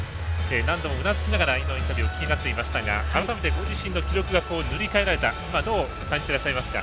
何度もうなずきながら今のインタビューお聞きになっていましたが改めて、ご自身の記録が塗り替えられたどんなふうに感じてらっしゃいますか？